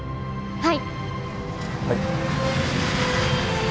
はい。